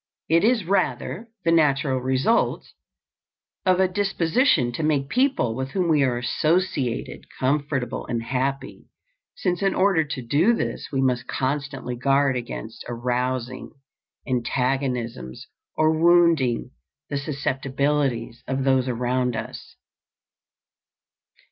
It is rather the natural result of a disposition to make people with whom we are associated comfortable and happy, since in order to do this we must constantly guard against arousing antagonisms or wounding the susceptibilities of those around us.